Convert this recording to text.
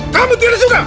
kamu tidak suka